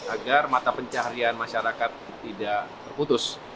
agar mata pencaharian masyarakat tidak terputus